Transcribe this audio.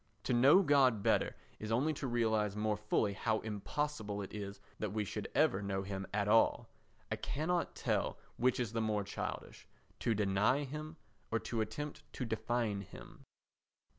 To know God better is only to realise more fully how impossible it is that we should ever know him at all. I cannot tell which is the more childish—to deny him, or to attempt to define him.